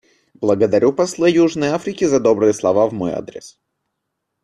Благодарю посла Южной Африке за добрые слова в мой адрес.